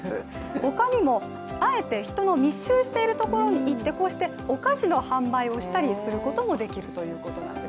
他にもあえて人の密集しているところに行ってこうしてお菓子の販売をしたりすることもできるということなんです。